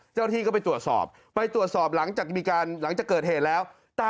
เจ้าหน้าที่ก็ไปตรวจสอบไปตรวจสอบหลังจากมีการหลังจากเกิดเหตุแล้ว